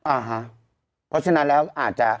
อ่าฮะเพราะฉะนั้นแล้วอาจจะ